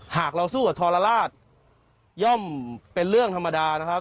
หากเราสู้กับทรราชย่อมเป็นเรื่องธรรมดานะครับ